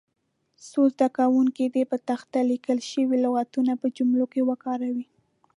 څو زده کوونکي دې پر تخته لیکل شوي لغتونه په جملو کې وکاروي.